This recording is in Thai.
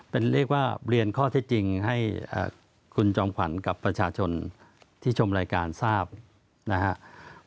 เป็นเรียกว่าเรียนข้อเท็จจริงให้คุณจอมขวัญกับประชาชนที่ชมรายการทราบนะครับ